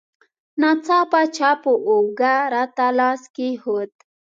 ناڅاپه چا په اوږه راته لاس کېښود.